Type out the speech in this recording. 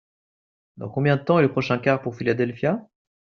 Dans combien de temps est le prochain car pour Philadelphia ?